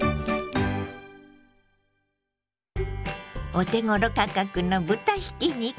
お手ごろ価格の豚ひき肉。